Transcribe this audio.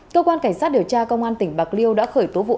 cơ quan cảnh sát điều tra công an tỉnh bạc liêu đã khởi tố vụ án